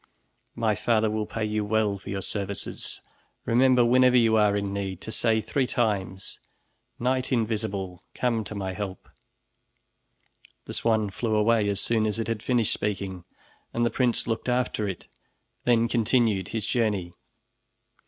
My father will pay you well for your services. Remember whenever you are in need, to say three times: 'Knight Invisible, come to my help!'" The swan flew away as soon as it had finished speaking, and the prince looked after it, then continued his journey.